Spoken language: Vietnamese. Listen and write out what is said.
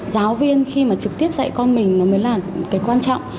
giáo viên khi mà trực tiếp dạy con mình nó mới là cái quan trọng